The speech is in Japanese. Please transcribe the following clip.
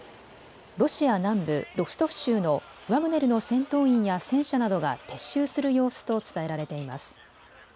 ロシア南部ロストフ州のワグネルの戦闘員や戦車などが撤収する様子と伝えられています。